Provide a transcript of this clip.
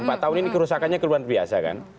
empat tahun ini kerusakannya keluhan biasa kan